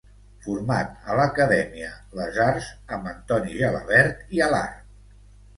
Format a l'acadèmia Les Arts amb Antoni Gelabert i Alart.